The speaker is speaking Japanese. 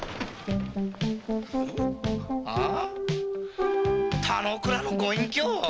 あっ田之倉のご隠居！